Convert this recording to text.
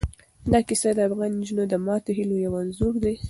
دا کیسه د افغان نجونو د ماتو هیلو یو انځور دی.